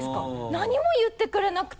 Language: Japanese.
何も言ってくれなくて。